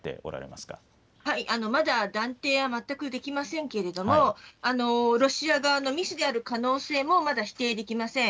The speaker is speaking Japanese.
まだ断定は全くできませんがロシア側のミスである可能性も否定できません。